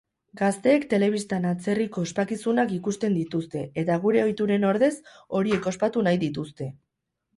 Gazteek telebistan atzerriko ospakizunak ikusten dituzte eta gure ohituren ordez horiek ospatu nahi dituzte.